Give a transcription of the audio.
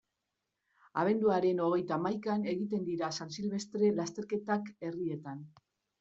Abenduaren hogeita hamaikan egiten dira San Silvestre lasterketak herrietan.